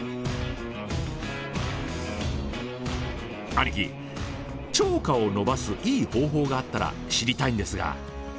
兄貴釣果を伸ばすいい方法があったら知りたいんですが？